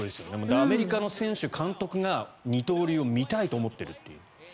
アメリカの選手、監督が二刀流を見たいと思っているという。